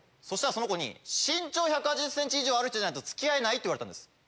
そしたらその子に身長１８０ｃｍ以上ある人じゃないと付き合えないって言われたんです。